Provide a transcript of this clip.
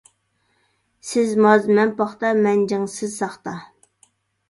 سىز ماز مەن پاختا، مەن جىڭ سىز ساختا.